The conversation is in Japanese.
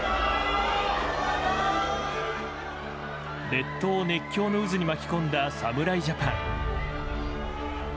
列島を熱狂の渦に巻き込んだ侍ジャパン。